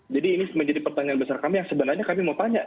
jadi ini menjadi pertanyaan besar kami yang sebenarnya kami mau tanya